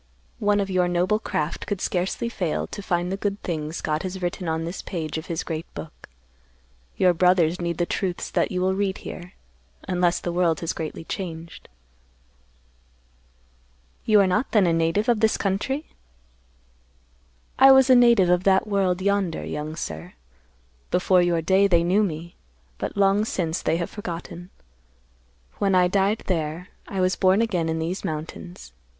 One of your noble craft could scarcely fail to find the good things God has written on this page of His great book. Your brothers need the truths that you will read here; unless the world has greatly changed." "You are not then a native of this country?" "I was a native of that world yonder, young sir. Before your day, they knew me; but long since, they have forgotten. When I died there, I was born again in these mountains.